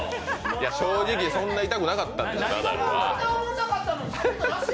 正直そんなに痛くなかった、ナダルは。